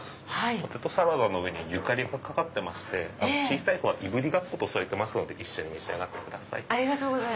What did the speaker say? ポテトサラダの上にゆかりがかかってまして小さいほうはいぶりがっこと添えてますので一緒に召し上がってください。